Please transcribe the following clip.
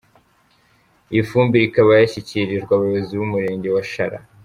Iyi fumbire ikaba yashyikirijwe abayobozi b’umurenge wa Shyara.